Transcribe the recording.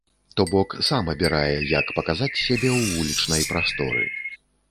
То бок, сам абірае, як паказаць сябе ў вулічнай прасторы.